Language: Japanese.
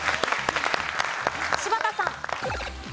柴田さん。